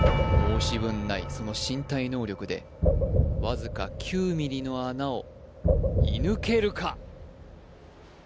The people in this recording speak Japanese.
申し分ないその身体能力でわずか９ｍｍの穴を射抜けるか？